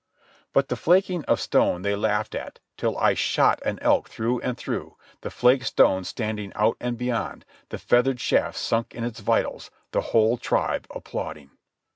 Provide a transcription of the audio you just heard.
But the flaking of stone they laughed at, till I shot an elk through and through, the flaked stone standing out and beyond, the feathered shaft sunk in its vitals, the whole tribe applauding.